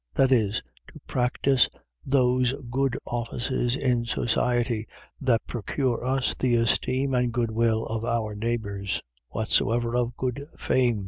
. .that is, to practise those good offices in society, that procure us the esteem and good will of our neighbours. Whatsoever of good fame.